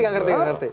gak ngerti gak ngerti